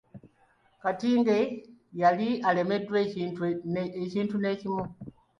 Katinge yali alemeddwa ekintu n’ekimu?